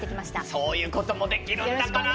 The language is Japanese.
そういうこともできるんだから。